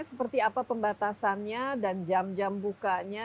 seperti apa pembatasannya dan jam jam bukanya